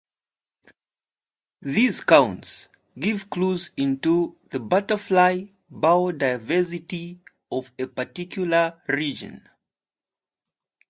These counts give clues into the butterfly biodiversity of a particular region.